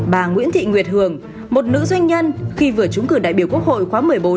bà nguyễn thị nguyệt hường một nữ doanh nhân khi vừa trúng cử đại biểu quốc hội khóa một mươi bốn